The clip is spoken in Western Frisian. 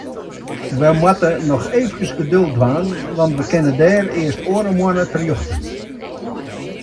Wy moatte noch eefkes geduld dwaan, want we kinne dêr earst oare moanne terjochte.